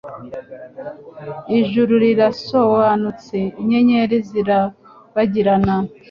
Ijuru rirasobanutse; inyenyeri zirarabagirana.